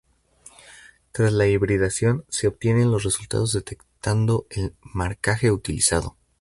Tras la hibridación, se obtienen los resultados detectando el marcaje utilizado.